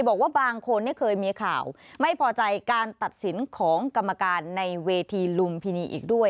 บอกว่าบางคนเคยมีข่าวไม่พอใจการตัดสินของกรรมการในเวทีลุมพินีอีกด้วย